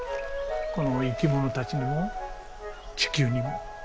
この生き物たちにも地球にも。